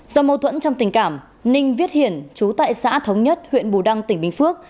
do mâu thuẫn trong tình cảm ninh viết hiển chú tại xã thống nhất huyện bù đăng tỉnh bình phước